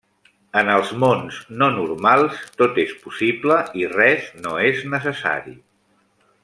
En els mons no-normals tot és possible i res no és necessari.